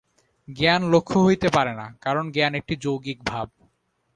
জ্ঞান লক্ষ্য হইতে পারে না, কারণ জ্ঞান একটি যৌগিক ভাব।